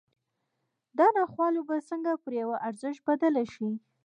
دا ناخواله به څنګه پر یوه ارزښت بدله شي